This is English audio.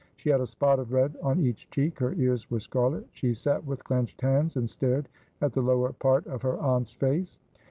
She had a spot of red on each cheek; her ears were scarlet; she sat with clenched hands, and stared at the lower part of her aunt's face.